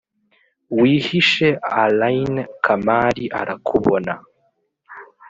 wihishe allayne kamali arrakubona.